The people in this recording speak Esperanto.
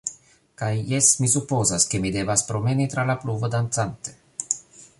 Kaj, jes mi supozas, ke mi devas promeni tra la pluvo, dancante.